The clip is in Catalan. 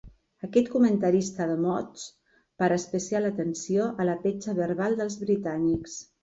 Aquest comentarista de mots para especial atenció a la petja verbal dels britànics.